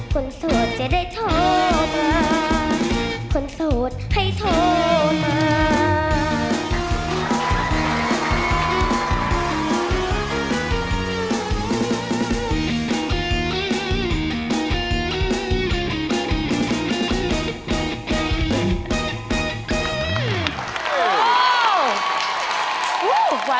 คนโสดจะได้โทษมา